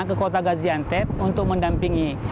ke kota gaziantep untuk mendampingi